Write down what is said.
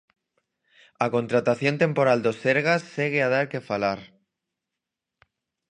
A contratación temporal do Sergas segue a dar que falar.